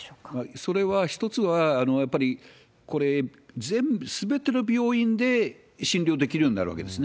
それは、一つはやっぱりこれ、すべての病院で診療できるようになるわけですね。